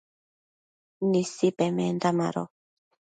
Nisi pemenda mado